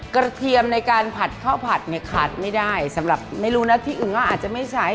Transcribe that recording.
เทียมในการผัดข้าวผัดเนี่ยขาดไม่ได้สำหรับไม่รู้นะที่อื่นก็อาจจะไม่ใช้